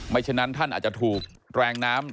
ฉะนั้นท่านอาจจะถูกแรงน้ำ